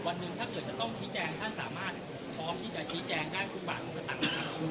วันหนึ่งถ้าเกิดจะต้องชี้แจงท่านสามารถพร้อมที่จะชี้แจงได้ทุกบาททุกสตังค์นะครับ